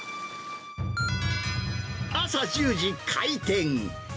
朝１０時、開店。